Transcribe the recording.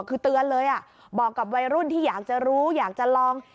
คือเตือนเลยบอกกับวัยรุ่นที่อยากจะรู้อยากจะลอง